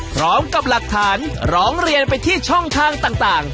พร้อมกับหลักฐานร้องเรียนไปที่ช่องทางต่าง